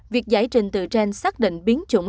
việc giải trình tự gen xác định biến chủng